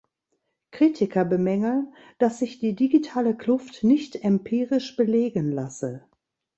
Kritiker bemängeln, dass sich die digitale Kluft nicht empirisch belegen lasse.